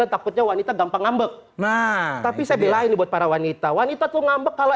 takutnya wanita gampang ngambek nah tapi saya belain buat para wanita wanita tuh ngambek kalau